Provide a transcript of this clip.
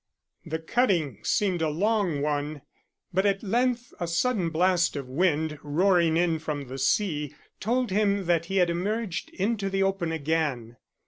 The cutting seemed a long one, but at length a sudden blast of wind, roaring in from the sea, told him that he had emerged into the open again.